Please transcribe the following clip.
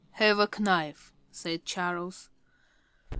"Have a knife," said Charles.